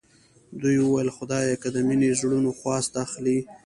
دې وویل خدایه که د مینې زړونو خواست اخلې.